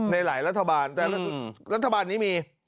ในหลายรัฐบาลแต่รัฐบาลนี้มี